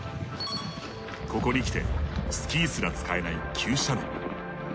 ここにきてスキーすら使えない急斜面。